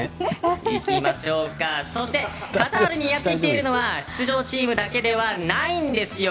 そして、カタールにやってきているのは出場チームだけではないんですよ。